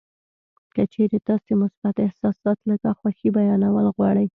که چېرې تاسې مثبت احساسات لکه خوښي بیانول غواړئ